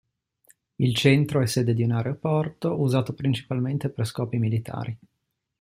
Il centro è sede di un aeroporto, usato principalmente per scopi militari.